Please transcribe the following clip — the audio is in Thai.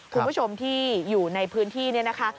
คุณผู้ชมที่อยู่ในพื้นที่นี่นะคะ